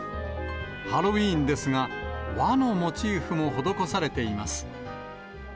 ハロウィーンですが、和のモチーフも施されています。